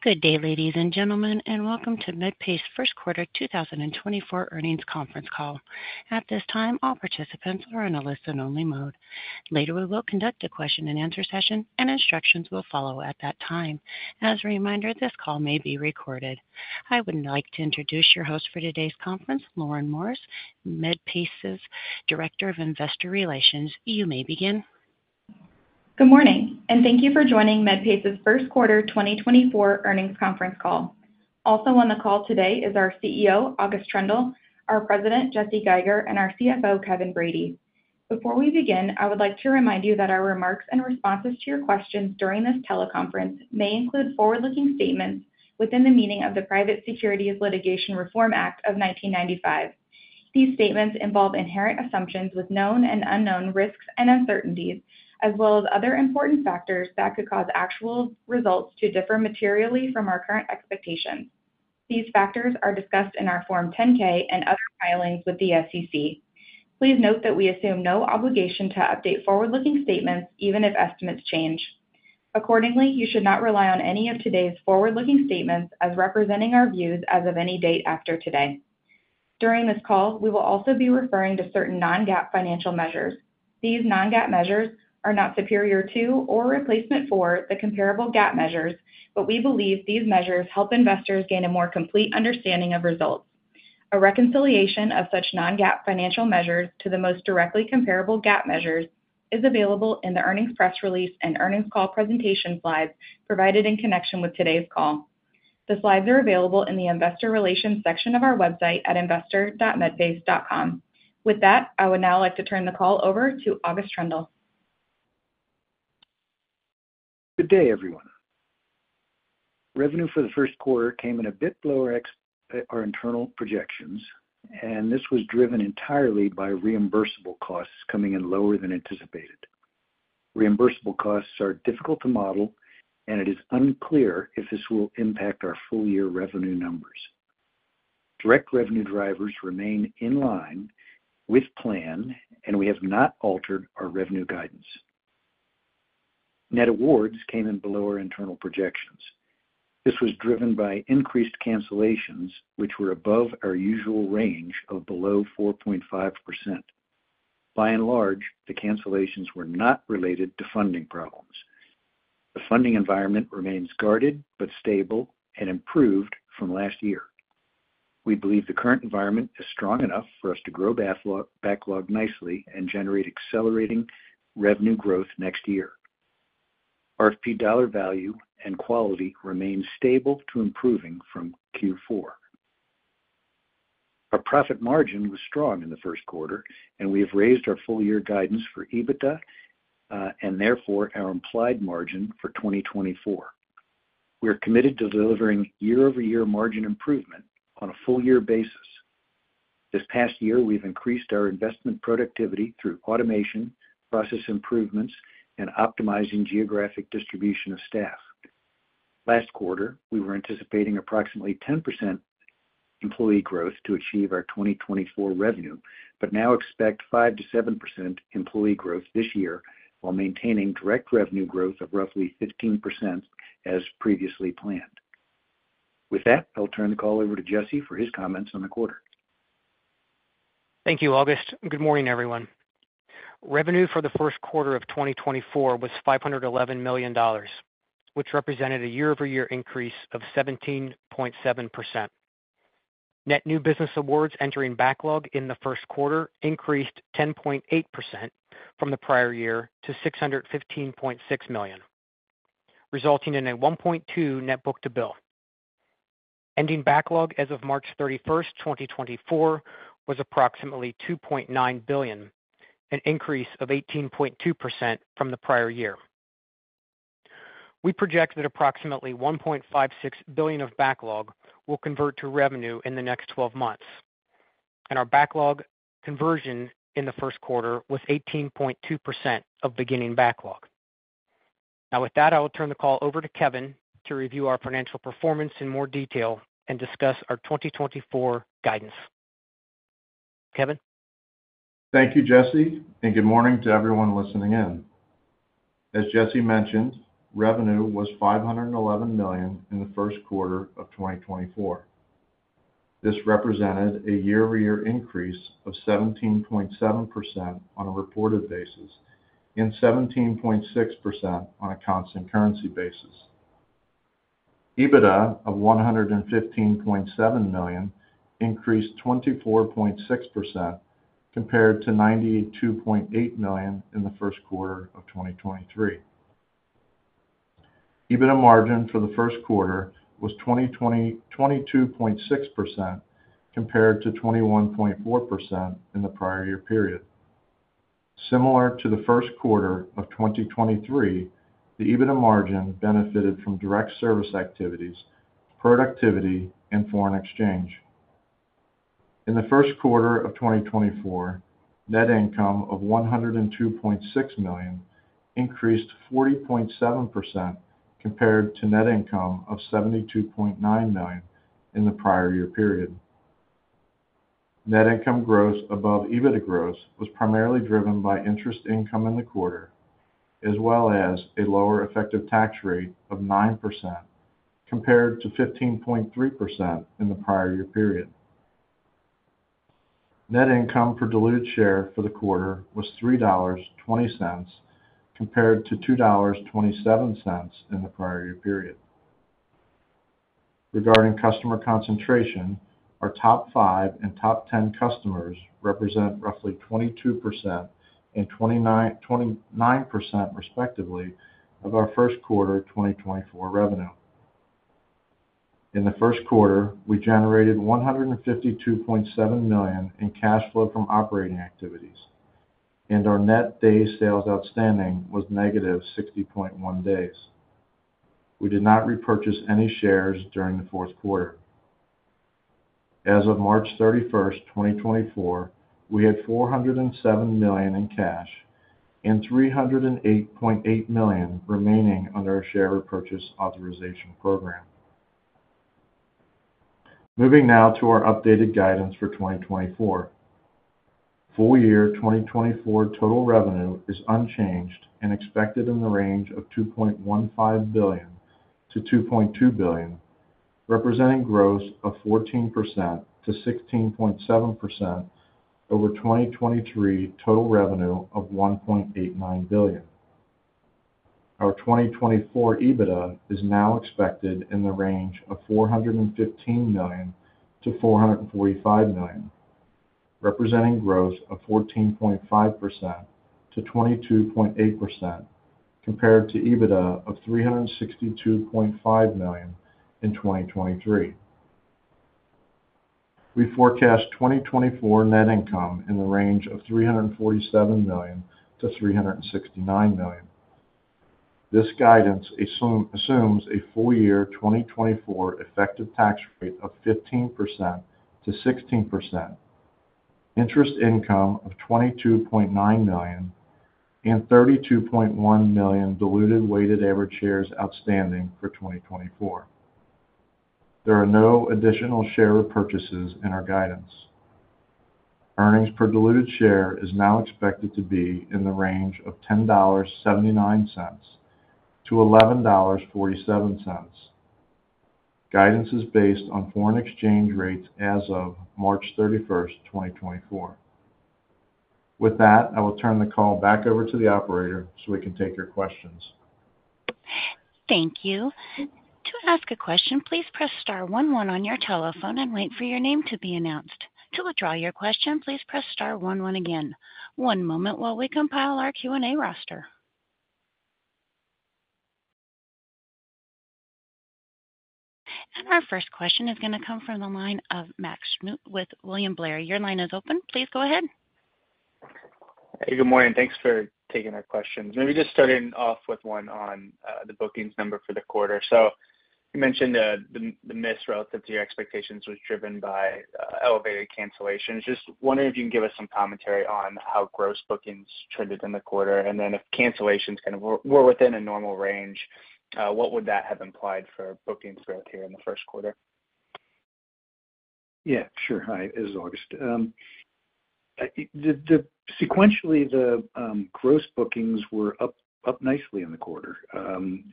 Good day, ladies and gentlemen, and welcome to Medpace's First Quarter 2024 Earnings Conference Call. At this time, all participants are in a listen-only mode. Later, we will conduct a question-and-answer session, and instructions will follow at that time. As a reminder, this call may be recorded. I would now like to introduce your host for today's conference, Lauren Morris, Medpace's Director of Investor Relations. You may begin. Good morning, and thank you for joining Medpace's First Quarter 2024 Earnings Conference Call. Also on the call today is our CEO, August Troendle, our President, Jesse Geiger, and our CFO, Kevin Brady. Before we begin, I would like to remind you that our remarks and responses to your questions during this teleconference may include forward-looking statements within the meaning of the Private Securities Litigation Reform Act of 1995. These statements involve inherent assumptions with known and unknown risks and uncertainties, as well as other important factors that could cause actual results to differ materially from our current expectations. These factors are discussed in our Form 10-K and other filings with the SEC. Please note that we assume no obligation to update forward-looking statements, even if estimates change. Accordingly, you should not rely on any of today's forward-looking statements as representing our views as of any date after today. During this call, we will also be referring to certain non-GAAP financial measures. These non-GAAP measures are not superior to or replacement for the comparable GAAP measures, but we believe these measures help investors gain a more complete understanding of results. A reconciliation of such non-GAAP financial measures to the most directly comparable GAAP measures is available in the earnings press release and earnings call presentation slides provided in connection with today's call. The slides are available in the Investor Relations section of our website at investor.medpace.com. With that, I would now like to turn the call over to August Troendle. Good day, everyone. Revenue for the first quarter came in a bit lower than our internal projections, and this was driven entirely by reimbursable costs coming in lower than anticipated. Reimbursable costs are difficult to model, and it is unclear if this will impact our full-year revenue numbers. Direct revenue drivers remain in line with plan, and we have not altered our revenue guidance. Net awards came in below our internal projections. This was driven by increased cancellations, which were above our usual range of below 4.5%. By and large, the cancellations were not related to funding problems. The funding environment remains guarded but stable and improved from last year. We believe the current environment is strong enough for us to grow backlog nicely and generate accelerating revenue growth next year. RFP dollar value and quality remain stable to improving from Q4. Our profit margin was strong in the first quarter, and we have raised our full-year guidance for EBITDA, and therefore our implied margin for 2024. We are committed to delivering year-over-year margin improvement on a full year basis. This past year, we've increased our investment productivity through automation, process improvements, and optimizing geographic distribution of staff. Last quarter, we were anticipating approximately 10% employee growth to achieve our 2024 revenue, but now expect 5%-7% employee growth this year, while maintaining direct revenue growth of roughly 15%, as previously planned. With that, I'll turn the call over to Jesse for his comments on the quarter. Thank you, August. Good morning, everyone. Revenue for the first quarter of 2024 was $511 million, which represented a year-over-year increase of 17.7%. Net new business awards entering backlog in the first quarter increased 10.8% from the prior year to $615.6 million, resulting in a 1.2 net book-to-bill. Ending backlog as of March 31, 2024, was approximately $2.9 billion, an increase of 18.2% from the prior year. We project that approximately $1.56 billion of backlog will convert to revenue in the next twelve months, and our backlog conversion in the first quarter was 18.2% of beginning backlog. Now, with that, I will turn the call over to Kevin to review our financial performance in more detail and discuss our 2024 guidance. Kevin? Thank you, Jesse, and good morning to everyone listening in. As Jesse mentioned, revenue was $511 million in the first quarter of 2024. This represented a year-over-year increase of 17.7% on a reported basis and 17.6% on a constant currency basis. EBITDA of $115.7 million increased 24.6% compared to $92.8 million in the first quarter of 2023. EBITDA margin for the first quarter was 22.6%, compared to 21.4% in the prior year period. Similar to the first quarter of 2023, the EBITDA margin benefited from direct service activities, productivity, and foreign exchange. In the first quarter of 2024, net income of $102.6 million increased 40.7% compared to net income of $72.9 million in the prior year period. Net income growth above EBITDA growth was primarily driven by interest income in the quarter, as well as a lower effective tax rate of 9% compared to 15.3% in the prior year period. Net income per diluted share for the quarter was $3.20 compared to $2.27 in the prior year period. Regarding customer concentration, our top five and top 10 customers represent roughly 22% and 29%, 29%, respectively, of our first quarter 2024 revenue. In the first quarter, we generated $152.7 million in cash flow from operating activities, and our net days sales outstanding was -60.1 days. We did not repurchase any shares during the fourth quarter. As of March 31, 2024, we had $407 million in cash and $308.8 million remaining under our share repurchase authorization program. Moving now to our updated guidance for 2024. Full year 2024 total revenue is unchanged and expected in the range of $2.15 billion-$2.2 billion, representing growth of 14%-16.7% over 2023 total revenue of $1.89 billion. Our 2024 EBITDA is now expected in the range of $415 million-$445 million, representing growth of 14.5%-22.8% compared to EBITDA of $362.5 million in 2023. We forecast 2024 net income in the range of $347 million-$369 million. This guidance assumes a full year 2024 effective tax rate of 15%-16%, interest income of $22.9 million, and 32.1 million diluted weighted average shares outstanding for 2024. There are no additional share repurchases in our guidance. Earnings per diluted share is now expected to be in the range of $10.79-$11.47. Guidance is based on foreign exchange rates as of March 31, 2024. With that, I will turn the call back over to the operator so we can take your questions. Thank you. To ask a question, please press star one one on your telephone and wait for your name to be announced. To withdraw your question, please press star one one again. One moment while we compile our Q&A roster. Our first question is going to come from the line of Max Smock with William Blair. Your line is open. Please go ahead. Hey, good morning. Thanks for taking our questions. Maybe just starting off with one on the bookings number for the quarter. So you mentioned the miss relative to your expectations was driven by elevated cancellations. Just wondering if you can give us some commentary on how gross bookings trended in the quarter, and then if cancellations kind of were within a normal range, what would that have implied for bookings growth here in the first quarter? Yeah, sure. Hi, this is August. Sequentially, the gross bookings were up nicely in the quarter. And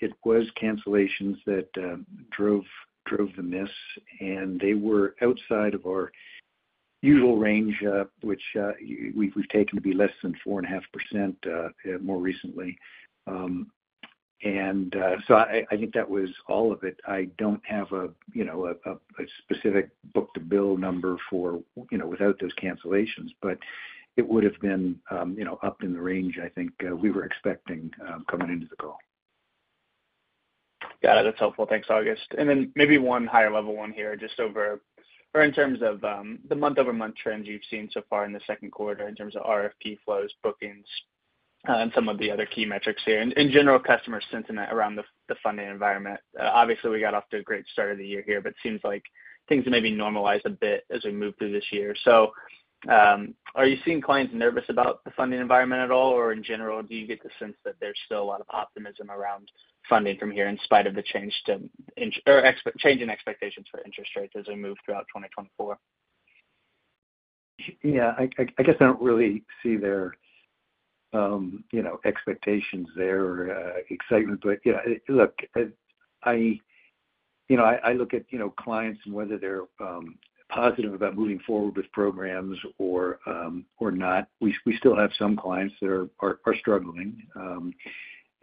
it was cancellations that drove the miss, and they were outside of our usual range, which we've taken to be less than 4.5% more recently. So I think that was all of it. I don't have a you know a specific book-to-bill number for you know without those cancellations, but it would have been you know up in the range I think we were expecting coming into the call. Got it. That's helpful. Thanks, August. Then maybe one higher level one here, just over or in terms of the month-over-month trends you've seen so far in the second quarter in terms of RFP flows, bookings, and some of the other key metrics here. In general, customer sentiment around the funding environment. Obviously, we got off to a great start of the year here, but it seems like things may be normalized a bit as we move through this year. So, are you seeing clients nervous about the funding environment at all, or in general, do you get the sense that there's still a lot of optimism around funding from here, in spite of the change to in- or ex- change in expectations for interest rates as we move throughout 2024? Yeah, I guess I don't really see their, you know, expectations there, excitement. But, yeah, look, I, you know, I look at, you know, clients and whether they're positive about moving forward with programs or not. We still have some clients that are struggling.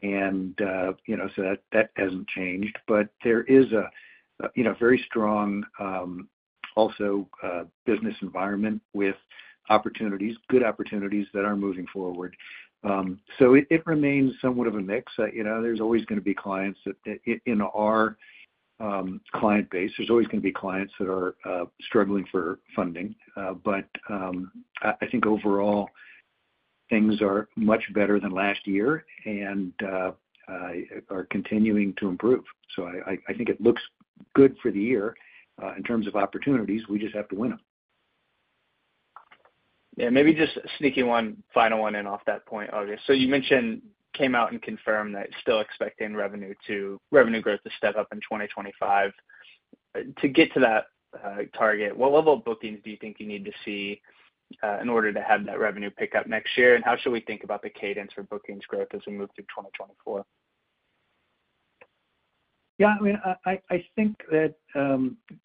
And, you know, so that hasn't changed. But there is a, you know, very strong, also, business environment with opportunities, good opportunities that are moving forward. So it remains somewhat of a mix. You know, there's always going to be clients that, in our client base, there's always going to be clients that are struggling for funding. But, I think overall, things are much better than last year and are continuing to improve. So I think it looks good for the year, in terms of opportunities. We just have to win them. Yeah, maybe just sneaking one final one in off that point, August. So you mentioned, came out and confirmed that still expecting revenue growth to step up in 2025. To get to that target, what level of bookings do you think you need to see in order to have that revenue pick up next year? And how should we think about the cadence for bookings growth as we move through 2024? Yeah, I mean, I think that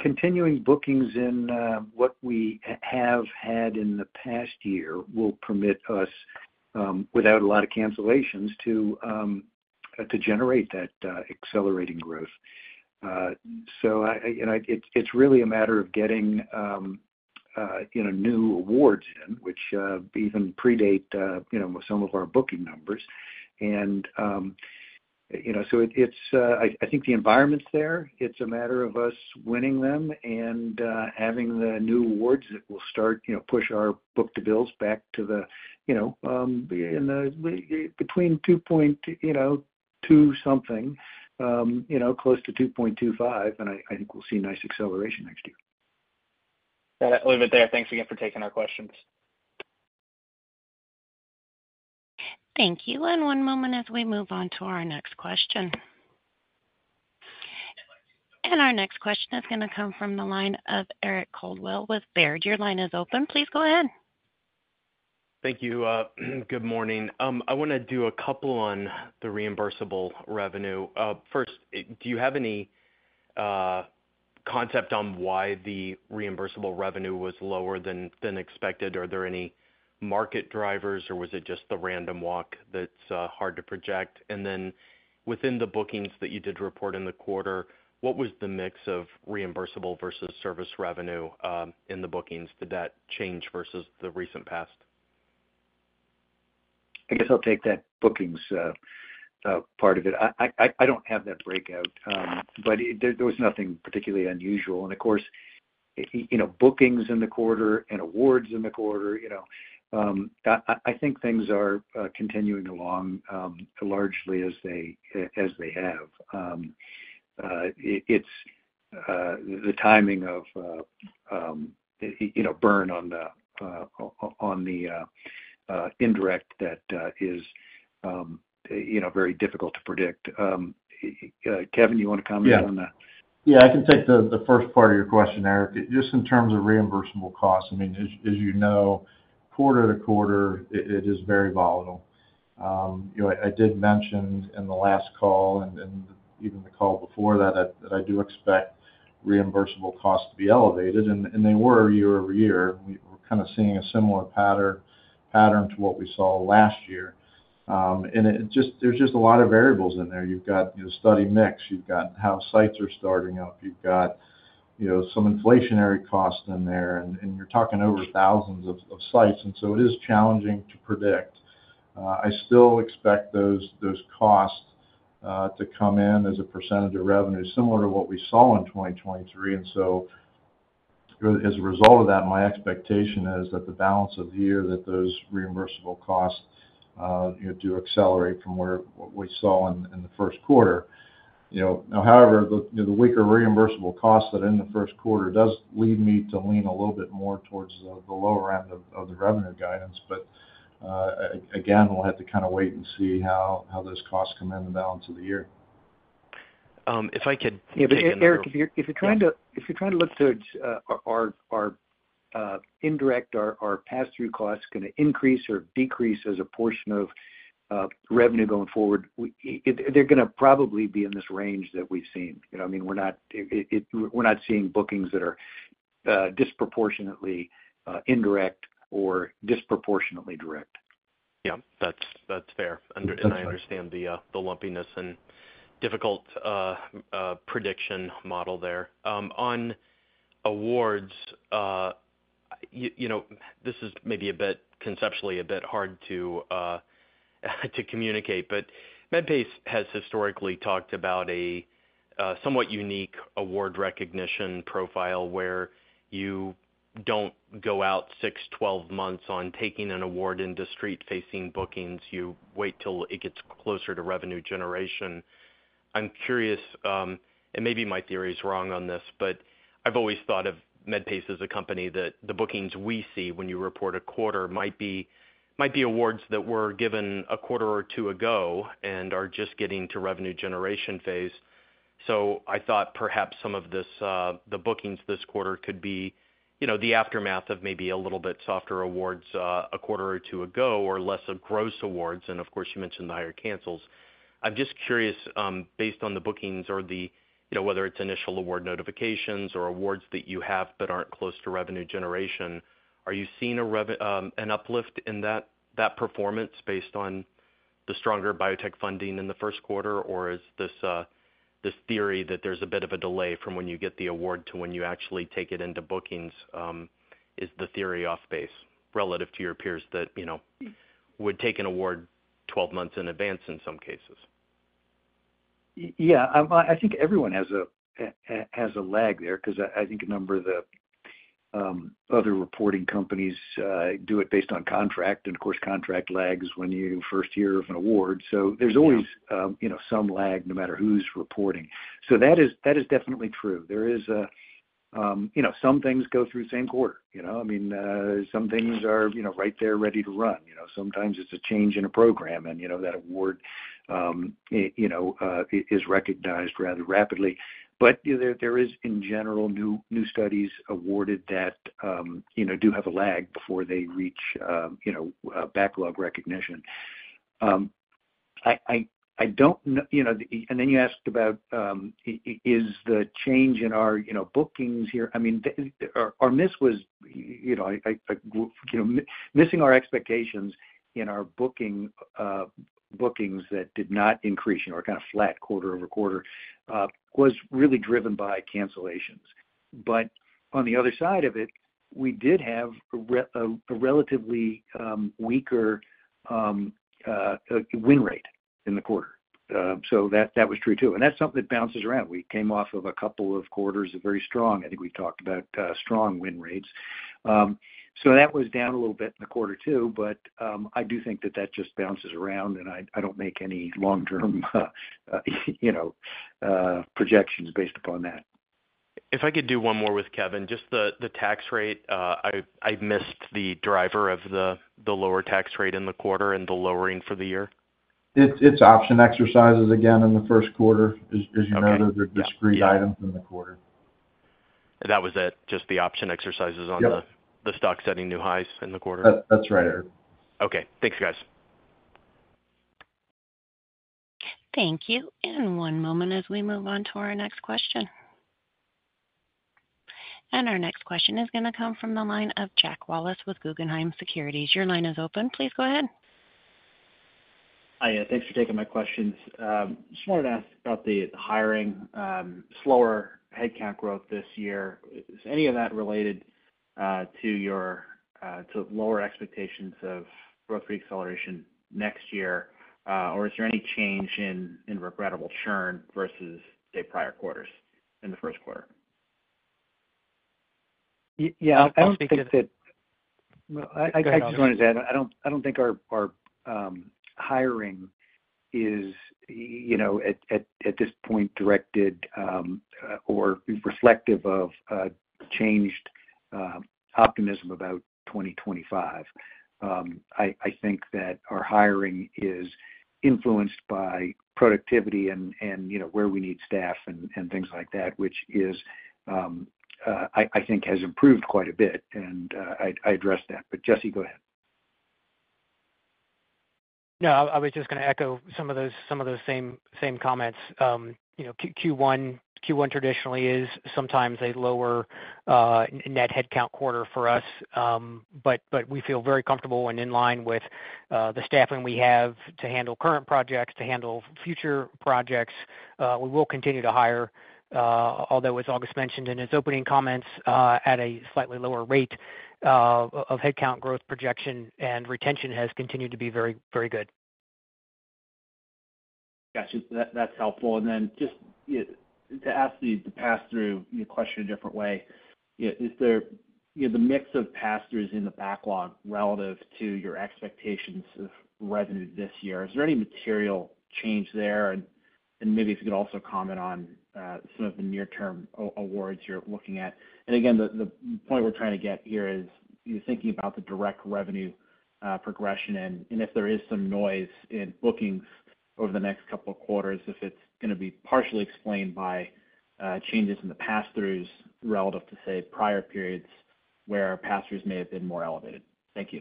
continuing bookings in what we have had in the past year will permit us, without a lot of cancellations, to generate that accelerating growth. So it's really a matter of getting, you know, new awards which even predate, you know, some of our booking numbers. And, you know, so I think the environment's there. It's a matter of us winning them and having the new awards that will start, you know, push our book-to-bill back to the, you know, between 2.0, you know, 2 something, you know, close to 2.25, and I think we'll see a nice acceleration next year. Yeah, I'll leave it there. Thanks again for taking our questions. Thank you. One moment as we move on to our next question. Our next question is gonna come from the line of Eric Coldwell with Baird. Your line is open. Please go ahead. Thank you. Good morning. I wanna do a couple on the reimbursable revenue. First, do you have any concept on why the reimbursable revenue was lower than expected? Are there any market drivers, or was it just the random walk that's hard to project? And then, within the bookings that you did report in the quarter, what was the mix of reimbursable versus service revenue in the bookings? Did that change versus the recent past? I guess I'll take that bookings part of it. I don't have that breakout, but there was nothing particularly unusual. And of course, you know, bookings in the quarter and awards in the quarter, you know, I think things are continuing along largely as they have. It's the timing of, you know, burn on the indirect that is very difficult to predict. Kevin, you want to comment on that? Yeah. Yeah, I can take the first part of your question, Eric. Just in terms of reimbursable costs, I mean, as you know, quarter to quarter, it is very volatile. You know, I did mention in the last call, and even the call before that, that I do expect reimbursable costs to be elevated, and they were year-over-year. We're kind of seeing a similar pattern to what we saw last year. And it just, there's just a lot of variables in there. You've got, you know, study mix, you've got how sites are starting up, you've got, you know, some inflationary costs in there, and you're talking over thousands of sites, and so it is challenging to predict. I still expect those costs to come in as a percentage of revenue, similar to what we saw in 2023. So as a result of that, my expectation is that the balance of the year, those reimbursable costs, you know, do accelerate from what we saw in the first quarter. You know, however, the weaker reimbursable costs that in the first quarter does lead me to lean a little bit more towards the lower end of the revenue guidance. But again, we'll have to kind of wait and see how those costs come in the balance of the year. If I could. Yeah, but Eric, if you're, if you're trying to- Yeah. If you're trying to look to our indirect or pass-through costs going to increase or decrease as a portion of revenue going forward, they're gonna probably be in this range that we've seen. You know, I mean, we're not seeing bookings that are disproportionately indirect or disproportionately direct. Yeah, that's, that's fair. That's fair. I understand the lumpiness and difficult prediction model there. On awards, you know, this is maybe a bit, conceptually, a bit hard to communicate, but Medpace has historically talked about a somewhat unique award recognition profile, where you don't go out 6, 12 months on taking an award into street-facing bookings. You wait till it gets closer to revenue generation. I'm curious, and maybe my theory is wrong on this, but I've always thought of Medpace as a company that the bookings we see when you report a quarter might be, might be awards that were given a quarter or 2 ago and are just getting to revenue generation phase. So I thought perhaps some of this, the bookings this quarter could be, you know, the aftermath of maybe a little bit softer awards, a quarter or 2 ago, or less of gross awards. And of course, you mentioned the higher cancels. I'm just curious, based on the bookings or the, you know, whether it's initial award notifications or awards that you have but aren't close to revenue generation, are you seeing an uplift in that, that performance based on the stronger biotech funding in the first quarter? Or is this, this theory that there's a bit of a delay from when you get the award to when you actually take it into bookings, is the theory off base relative to your peers that, you know, would take an award 12 months in advance in some cases? Yeah, I think everyone has a lag there, because I think a number of the other reporting companies do it based on contract, and of course, contract lags when you first hear of an award. Yeah. So there's always, you know, some lag, no matter who's reporting. So that is definitely true. There is, you know, some things go through the same quarter, you know? I mean, some things are, you know, right there, ready to run, you know. Sometimes it's a change in a program, and, you know, that award, it, you know, is recognized rather rapidly. But, you know, there is, in general, new studies awarded that, you know, do have a lag before they reach, you know, backlog recognition. I don't know, you know, and then you asked about is the change in our, you know, bookings here. I mean, our miss was, you know, I, I, you know, missing our expectations in our bookings that did not increase, you know, are kind of flat quarter-over-quarter, was really driven by cancellations. But on the other side of it, we did have a relatively weaker win rate in the quarter. So that was true, too. And that's something that bounces around. We came off of a couple of quarters of very strong, I think we talked about, strong win rates. So that was down a little bit in the quarter, too, but I do think that that just bounces around, and I don't make any long-term, you know, projections based upon that. If I could do one more with Kevin, just the tax rate, I missed the driver of the lower tax rate in the quarter and the lowering for the year. It's option exercises again in the first quarter. Okay. As you noted, the discrete items in the quarter. And that was it, just the option exercises on the. Yep. the stock setting new highs in the quarter? That, that's right, Eric. Okay, thanks, guys. Thank you, and one moment as we move on to our next question. Our next question is gonna come from the line of Jack Wallace with Guggenheim Securities. Your line is open. Please go ahead. Hi, thanks for taking my questions. Just wanted to ask about the hiring, slower headcount growth this year. Is any of that related to your lower expectations of growth reacceleration next year? Or is there any change in regrettable churn versus, say, prior quarters in the first quarter? Yeah, I don't think that. Go ahead, August. I just want to add, I don't think our hiring is, you know, at this point, directed or reflective of changed optimism about 2025. I think that our hiring is influenced by productivity and, you know, where we need staff and things like that, which is, I think has improved quite a bit, and I addressed that. But Jesse, go ahead. No, I was just gonna echo some of those same comments. You know, Q1 traditionally is sometimes a lower net headcount quarter for us, but we feel very comfortable and in line with the staffing we have to handle current projects, to handle future projects. We will continue to hire, although, as August mentioned in his opening comments, at a slightly lower rate of headcount growth projection, and retention has continued to be very, very good. Gotcha. That, that's helpful. And then just, yeah, to ask the pass-through, you know, question a different way. Is there, you know, the mix of pass-throughs in the backlog relative to your expectations of revenue this year, is there any material change there? And maybe if you could also comment on some of the near-term awards you're looking at. And again, the point we're trying to get here is, you're thinking about the direct revenue progression and if there is some noise in bookings over the next couple of quarters, if it's gonna be partially explained by changes in the pass-throughs relative to, say, prior periods, where pass-throughs may have been more elevated. Thank you.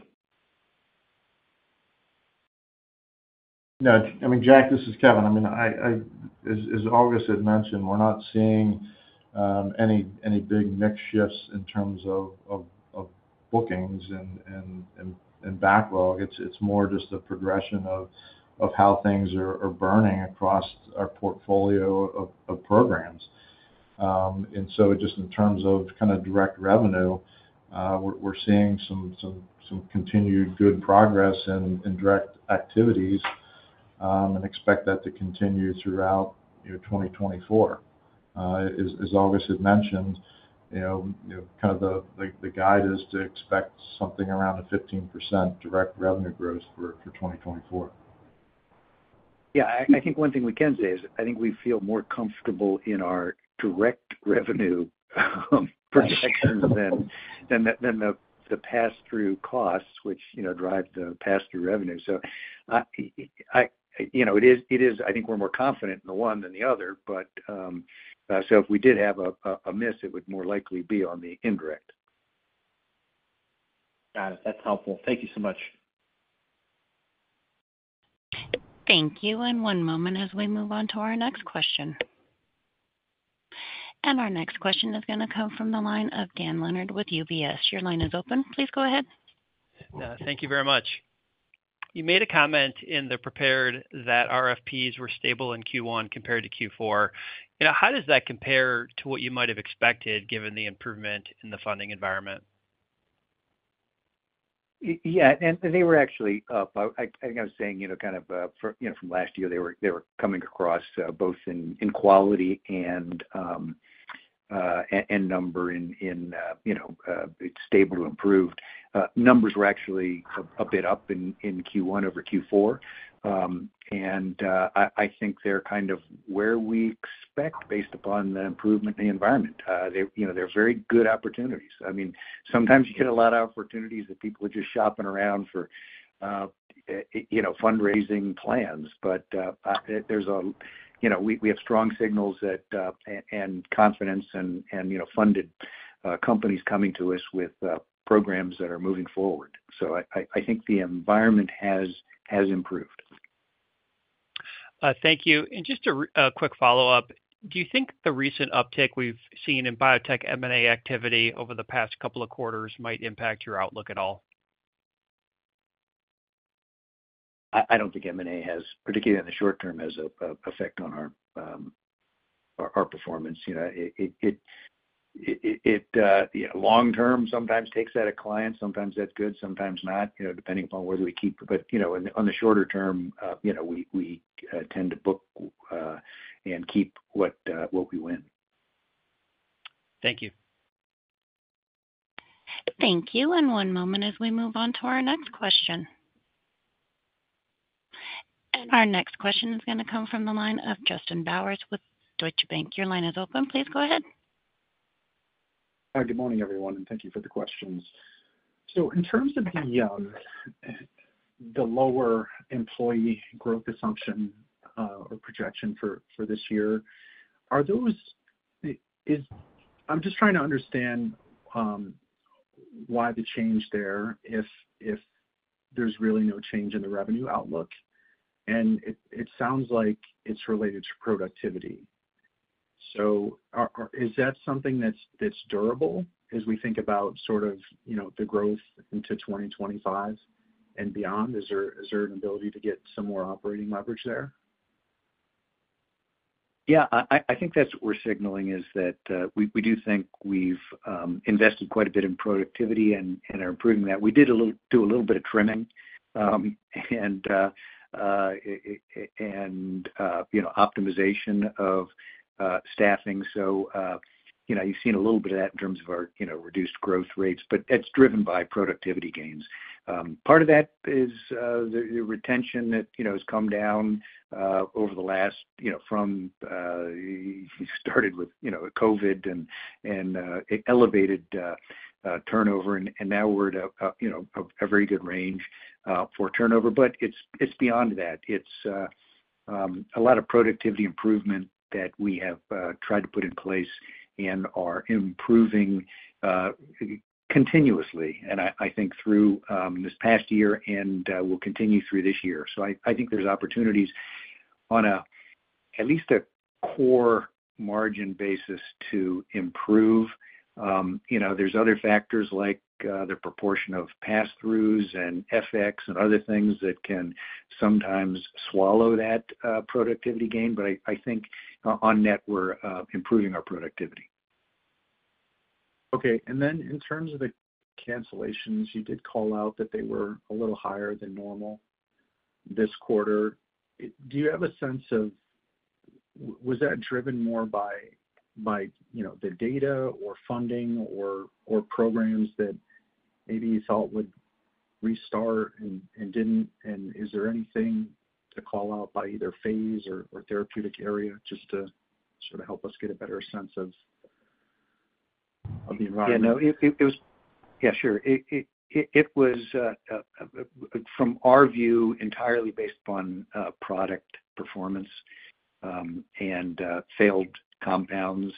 No, I mean, Jack, this is Kevin. I mean, as August had mentioned, we're not seeing any big mix shifts in terms of bookings and backlog. It's more just a progression of how things are burning across our portfolio of programs. And so just in terms of kind of direct revenue, we're seeing some continued good progress in direct activities, and expect that to continue throughout, you know, 2024. As August had mentioned, you know, kind of the, like, the guide is to expect something around a 15% direct revenue growth for 2024. Yeah, I think one thing we can say is, I think we feel more comfortable in our direct revenue projections than the pass-through costs, which, you know, drive the pass-through revenue. So I, you know, it is, it is—I think we're more confident in the one than the other, but so if we did have a miss, it would more likely be on the indirect. Got it. That's helpful. Thank you so much. Thank you, and one moment as we move on to our next question. Our next question is gonna come from the line of Dan Leonard with UBS. Your line is open. Please go ahead. Thank you very much. You made a comment in the prepared that RFPs were stable in Q1 compared to Q4. You know, how does that compare to what you might have expected, given the improvement in the funding environment? Yeah, and they were actually up. I think I was saying, you know, kind of for, you know, from last year, they were coming across both in quality and end number in, you know, it's stable to improved. Numbers were actually a bit up in Q1 over Q4. And I think they're kind of where we expect based upon the improvement in the environment. They, you know, they're very good opportunities. I mean, sometimes you get a lot of opportunities that people are just shopping around for, you know, fundraising plans. But there's a, you know, we have strong signals that and confidence and, you know, funded companies coming to us with programs that are moving forward. I think the environment has improved. Thank you. Just a quick follow-up: Do you think the recent uptick we've seen in biotech M&A activity over the past couple of quarters might impact your outlook at all? I don't think M&A has, particularly in the short term, an effect on our performance. You know, it long term sometimes takes a client, sometimes that's good, sometimes not, you know, depending upon whether we keep... But, you know, on the shorter term, you know, we tend to book and keep what we win. Thank you. Thank you, and one moment as we move on to our next question. Our next question is gonna come from the line of Justin Bowers with Deutsche Bank. Your line is open. Please go ahead. Hi, good morning, everyone, and thank you for the questions. So in terms of the lower employee growth assumption or projection for this year, is... I'm just trying to understand why the change there, if there's really no change in the revenue outlook, and it sounds like it's related to productivity. So is that something that's durable as we think about sort of, you know, the growth into 2025 and beyond? Is there an ability to get some more operating leverage there? Yeah, I think that's what we're signaling, is that we do think we've invested quite a bit in productivity and are improving that. We did a little bit of trimming, and you know, optimization of staffing. So, you know, you've seen a little bit of that in terms of our, you know, reduced growth rates, but that's driven by productivity gains. Part of that is the retention that you know has come down over the last, you know, from started with you know COVID and elevated turnover, and now we're at a you know a very good range for turnover. But it's beyond that. It's a lot of productivity improvement that we have tried to put in place and are improving continuously, and I think through this past year and will continue through this year. So I think there's opportunities on a, at least a core margin basis to improve. You know, there's other factors like the proportion of pass-throughs and FX and other things that can sometimes swallow that productivity gain, but I think on net, we're improving our productivity. Okay. And then in terms of the cancellations, you did call out that they were a little higher than normal this quarter. Do you have a sense of... Was that driven more by, you know, the data or funding or programs that maybe you thought would restart and didn't? And is there anything to call out by either phase or therapeutic area, just to sort of help us get a better sense of the environment? Yeah, no, it was—Yeah, sure. It was, from our view, entirely based upon product performance and failed compounds.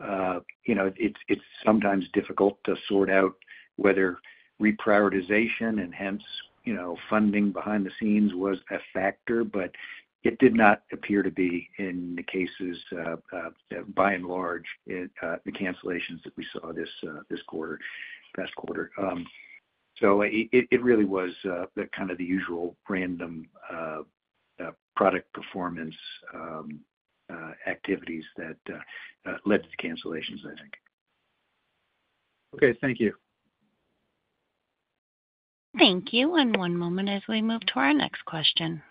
You know, it's sometimes difficult to sort out whether reprioritization and hence, you know, funding behind the scenes was a factor, but it did not appear to be in the cases, by and large, the cancellations that we saw this quarter, last quarter. So it really was the kind of the usual random product performance activities that led to the cancellations, I think. Okay. Thank you. Thank you, and one moment as we move to our next question.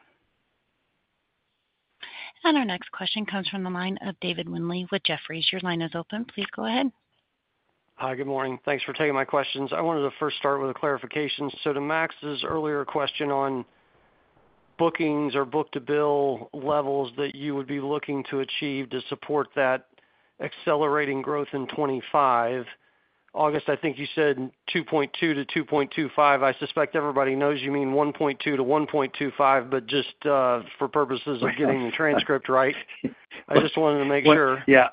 Our next question comes from the line of David Windley with Jefferies. Your line is open. Please go ahead. Hi, good morning. Thanks for taking my questions. I wanted to first start with a clarification. So to Max's earlier question on bookings or book-to-bill levels that you would be looking to achieve to support that accelerating growth in 2025, August, I think you said 2.2-2.25. I suspect everybody knows you mean 1.2-1.25, but just for purposes of getting the transcript right, I just wanted to make sure. Yeah,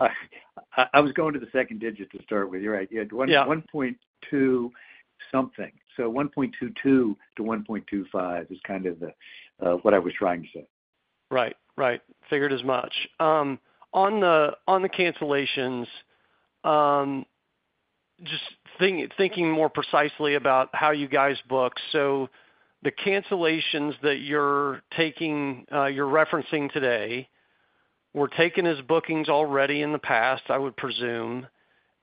I was going to the second digit to start with. You're right. Yeah. 1.2 something. So 1.22-1.25 is kind of the, what I was trying to say. Right. Right. Figured as much. On the cancellations, just thinking more precisely about how you guys book, so the cancellations that you're taking, you're referencing today, were taken as bookings already in the past, I would presume.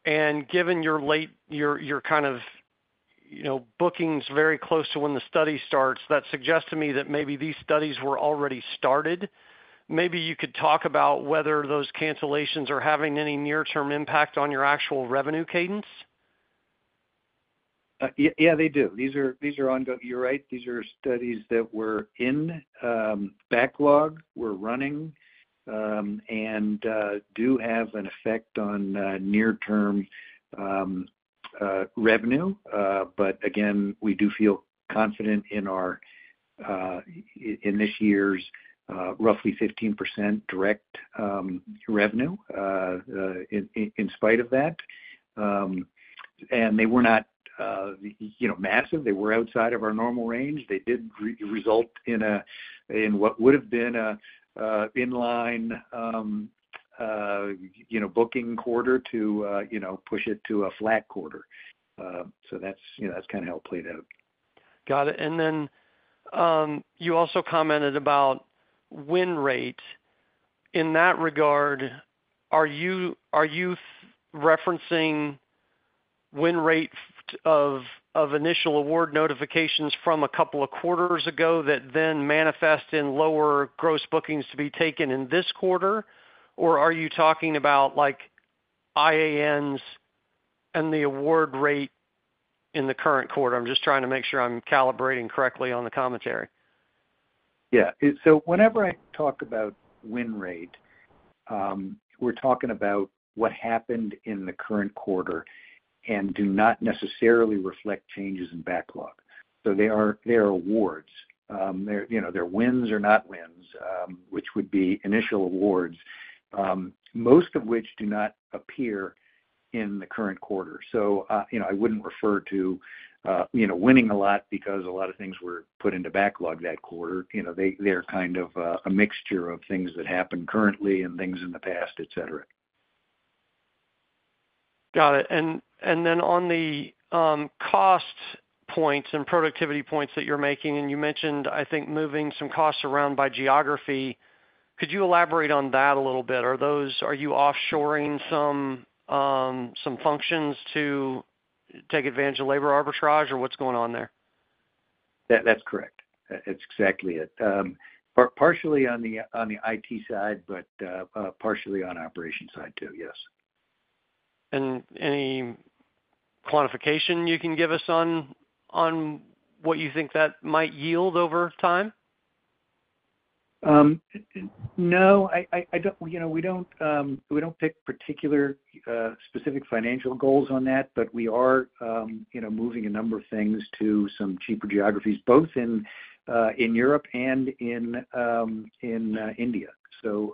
Given your late bookings very close to when the study starts, you know, that suggests to me that maybe these studies were already started. Maybe you could talk about whether those cancellations are having any near-term impact on your actual revenue cadence? Yeah, they do. These are ongoing. You're right. These are studies that were in backlog, were running, and do have an effect on near-term revenue. But again, we do feel confident in our in this year's roughly 15% direct revenue in spite of that. And they were not you know, massive. They were outside of our normal range. They did result in what would have been an inline you know, booking quarter to you know, push it to a flat quarter. So that's you know, that's kind of how it played out. Got it. And then, you also commented about win rate. In that regard, are you, are you referencing win rate of, of initial award notifications from a couple of quarters ago that then manifest in lower gross bookings to be taken in this quarter? Or are you talking about, like, INs and the award rate in the current quarter? I'm just trying to make sure I'm calibrating correctly on the commentary. Yeah. So whenever I talk about win rate, we're talking about what happened in the current quarter and do not necessarily reflect changes in backlog. So they are, they are awards. They're, you know, they're wins or not wins, which would be initial awards, most of which do not appear in the current quarter. So, you know, I wouldn't refer to, you know, winning a lot because a lot of things were put into backlog that quarter. You know, they're kind of a mixture of things that happen currently and things in the past, et cetera. Got it. And then on the cost points and productivity points that you're making, and you mentioned, I think, moving some costs around by geography, could you elaborate on that a little bit? Are those, are you offshoring some functions to take advantage of labor arbitrage, or what's going on there? That, that's correct. That's exactly it. Partially on the IT side, but partially on operations side too, yes. Any quantification you can give us on, on what you think that might yield over time? No, I don't. You know, we don't pick particular specific financial goals on that, but we are, you know, moving a number of things to some cheaper geographies, both in Europe and in India. So,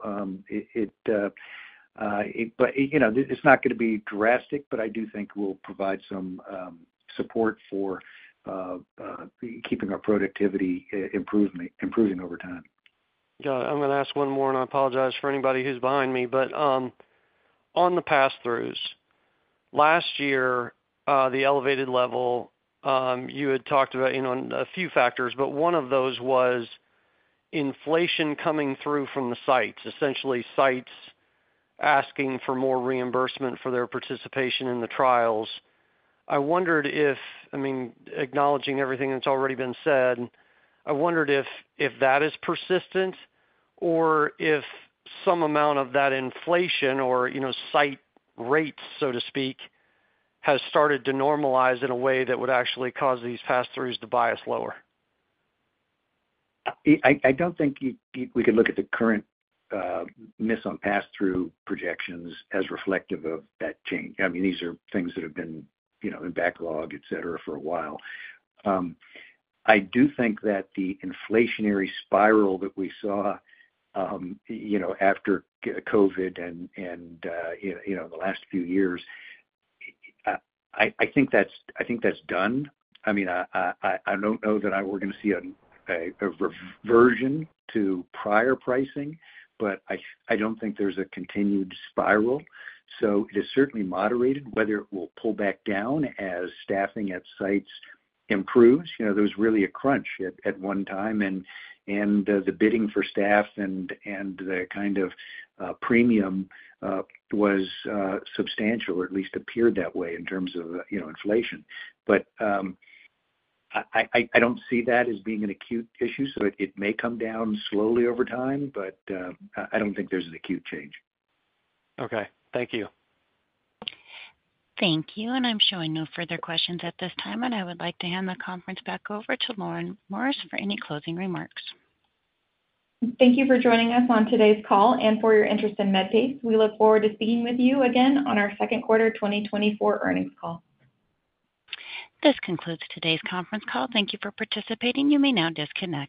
but, you know, it's not gonna be drastic, but I do think we'll provide some support for keeping our productivity improving over time. Got it. I'm gonna ask one more, and I apologize for anybody who's behind me, but on the pass-throughs, last year, the elevated level, you had talked about, you know, a few factors, but one of those was inflation coming through from the sites, essentially sites asking for more reimbursement for their participation in the trials. I wondered if, I mean, acknowledging everything that's already been said, I wondered if that is persistent or if some amount of that inflation or, you know, site rates, so to speak, has started to normalize in a way that would actually cause these pass-throughs to bias lower. I don't think we could look at the current miss on pass-through projections as reflective of that change. I mean, these are things that have been, you know, in backlog, et cetera, for a while. I do think that the inflationary spiral that we saw, you know, after COVID and, the last few years, I think that's done. I mean, I don't know that we're gonna see a reversion to prior pricing, but I don't think there's a continued spiral. So it is certainly moderated. Whether it will pull back down as staffing at sites improves, you know, there was really a crunch at one time, and the bidding for staff and the kind of premium was substantial, or at least appeared that way in terms of, you know, inflation. But I don't see that as being an acute issue, so it may come down slowly over time, but I don't think there's an acute change. Okay. Thank you. Thank you, and I'm showing no further questions at this time, and I would like to hand the conference back over to Lauren Morris for any closing remarks. Thank you for joining us on today's call and for your interest in Medpace. We look forward to speaking with you again on our second quarter 2024 earnings call. This concludes today's conference call. Thank you for participating. You may now disconnect.